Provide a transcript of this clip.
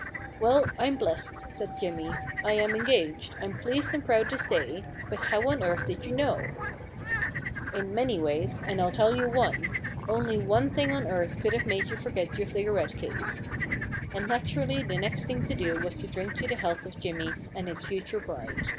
* Well, I'm blest,' said Jimmy. * I am engaged, I'm pleased and proud to say, but how on earth did you know ?* 234 The Pig Keeper's Problem * In many ways, and I'll tell you one. Only one thing on earth could have made you forget your cigarette case,* And naturally the next thing to do was to drink to the health of Jimmy and his future bride.